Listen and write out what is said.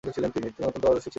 তিনি অত্যন্ত পারদর্শী ছিলেন।